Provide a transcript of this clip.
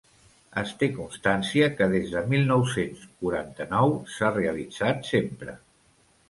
Es té constància que des de mil nou-cents quaranta-nou s'ha realitzat sempre.